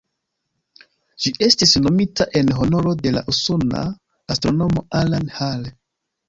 Ĝi estis nomita en honoro de la usona astronomo Alan Hale.